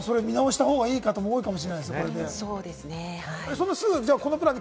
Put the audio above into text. プラン、見直したほうがいい方も多いかもしれませんね。